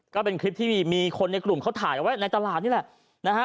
ก็เป็นคลิปที่มีคนในกลุ่มเขาถ่ายเอาไว้ในตลาดนี่แหละนะฮะ